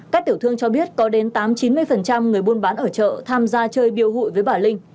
các tiểu thương cho biết có đến tám chín mươi người buôn bán ở chợ tham gia chơi biêu hụi với bà linh